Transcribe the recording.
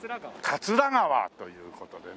桂川という事でね。